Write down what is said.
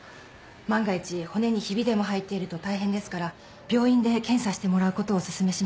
万が一骨にヒビでも入っていると大変ですから病院で検査してもらうことをお勧めします。